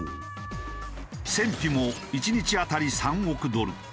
戦費も１日当たり３億ドル。